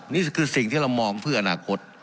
นี่คือสิ่งที่เรามองเพื่ออนาคต